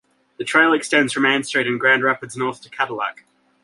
The trail extends from Ann Street in Grand Rapids north to Cadillac.